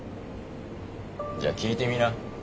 じゃあ聞いてみな。